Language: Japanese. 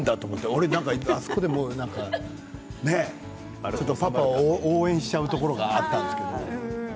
俺あそこでちょっとパパを応援しちゃうところがあったんですけど。